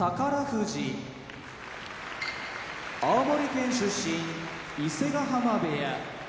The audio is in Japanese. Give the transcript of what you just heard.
富士青森県出身伊勢ヶ濱部屋